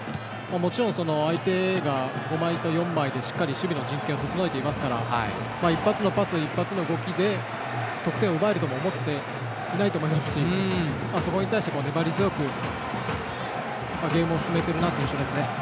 もちろん相手が５枚と４枚でしっかり守備の陣形も整えていますから一発のパス、一発の動きで得点を奪えるとは思っていないと思いますしそこに対しても粘り強くゲームを進めている印象ですね。